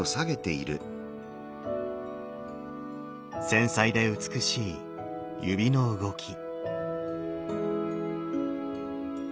繊細で美しい指の動き。